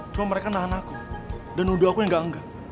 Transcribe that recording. cuma mereka nahan aku dan nuduh aku yang gak anggap